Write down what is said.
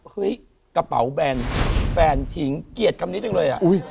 เฮ้ยกระเป๋าแบนแฟนทิ้งเกลียดคำนี้จังเลย